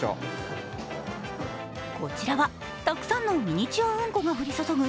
こちらはたくさんのミニチュアうんこが降り注ぐ